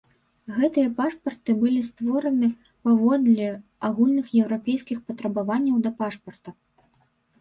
Гэтыя пашпарты былі створаны паводле агульных еўрапейскіх патрабаванняў да пашпарта.